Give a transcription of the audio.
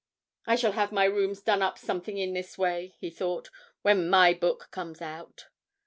'I shall have my rooms done up something in this way,' he thought, 'when my book comes out.'